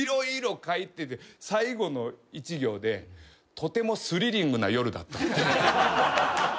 色々書いてて最後の１行で「とてもスリリングな夜だった」